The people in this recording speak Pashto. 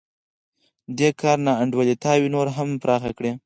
دې کار نا انډولتیا نوره هم پراخه کړه